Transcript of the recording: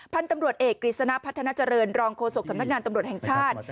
พันธุ์ตำรวจเอกกฤษณะพัฒนาเจริญรองโฆษกสำนักงานตำรวจแห่งชาติ